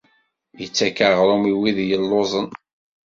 Ittak aɣrum i wid yelluẓen.